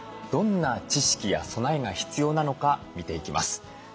どんな知識や備えが必要なのか見ていきます。